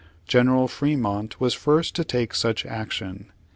General Fremont was first to take such action.